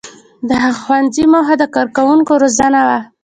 • د هغه ښوونځي موخه د کارکوونکو روزنه وه.